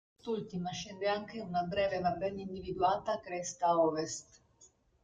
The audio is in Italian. Verso quest'ultima scende anche una breve ma ben individuata cresta ovest.